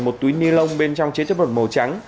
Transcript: một túi ni lông bên trong chế chất bẩn màu trắng